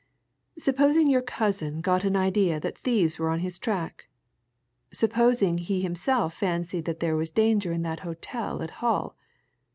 Supposing your cousin got an idea that thieves were on his track? supposing he himself fancied that there was danger in that hotel at Hull?